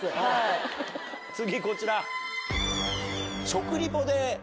次こちら。